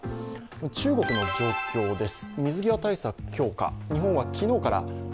中国の状況です。